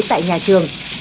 tại nhà trường